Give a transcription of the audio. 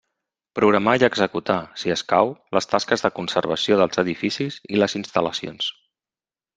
Programar i executar, si escau, les tasques de conservació dels edificis i les instal·lacions.